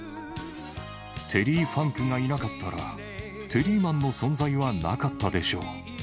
テリー・ファンクがいなかったら、テリーマンの存在はなかったでしょう。